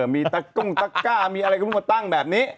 มีตาก้ามัวไปตั้งแบบนี้